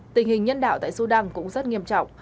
tình hình nhân đạo tại sudan cũng rất nghiêm trọng